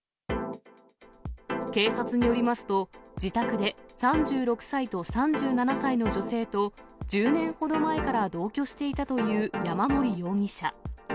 警察によりますと、自宅で３６歳と３７歳の女性と１０年ほど前から同居していたという山森容疑者。